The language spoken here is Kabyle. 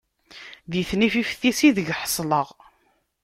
Di tnifift-is ideg ḥesleɣ.